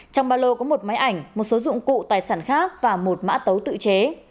trong ba lô có một máy ảnh một số dụng cụ tài sản khác và một mã tấu tự chế